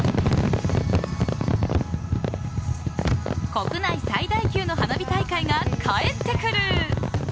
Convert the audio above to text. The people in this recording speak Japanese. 国内最大級の花火大会が帰ってくる！